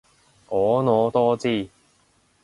婀娜多姿